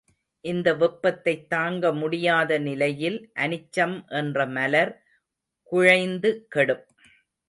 இந்த வெப்பத்தைத் தாங்க முடியாத நிலையில் அனிச்சம் என்ற மலர் குழைந்து கெடும்.